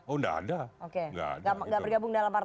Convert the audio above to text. oh nggak ada